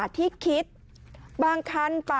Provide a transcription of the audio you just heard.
สุดยอดดีแล้วล่ะ